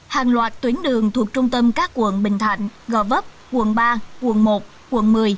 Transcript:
hàng loạt tuyến đường thuộc trung tâm các quận bình thạnh gò vấp quận ba quận một quận một mươi